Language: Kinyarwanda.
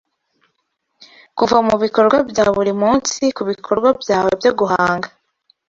kuva mubikorwa bya buri munsi kubikorwa byawe byo guhanga